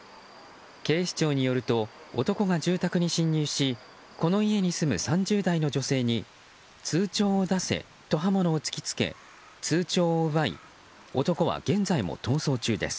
警視庁によると男が住宅に侵入しこの家に住む３０代の女性に通帳を出せと刃物を突き付け通帳を奪い男は現在も逃走中です。